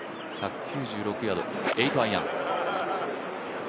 １９６ヤード、８アイアン。